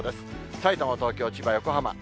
さいたま、東京、千葉、横浜。